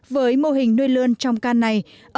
với mô hình nuôi lươn trong can này